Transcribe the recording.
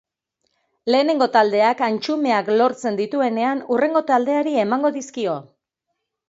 Lehengo taldeak antxumeak lortzen dituenean hurrengo taldeari emango dizkio.